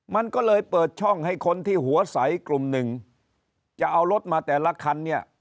มันก็เลยเปิดช่องให้คนที่หัวใสกลุ่มหนึ่งจะเอารถมาแต่ละคันเนี่ย